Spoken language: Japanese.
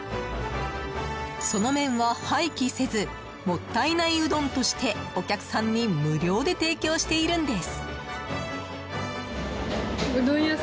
その麺は廃棄せずもったいないうどんとしてお客さんに無料で提供しているんです。